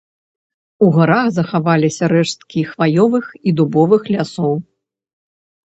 У гарах захаваліся рэшткі хваёвых і дубовых лясоў.